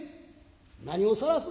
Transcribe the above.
何をさらす」。